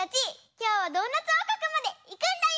きょうはドーナツおうこくまでいくんだよ！